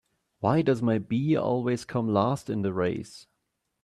Why does my bee always come last in the race?